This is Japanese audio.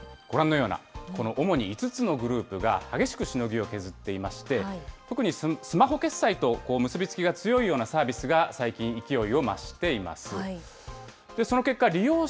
ただ、この分野では現在、ご覧のようなこの主に５つのグループが激しくしのぎを削っていまして、特にスマホ決済と結び付きが強いようなサービスが、最近勢いを増しています。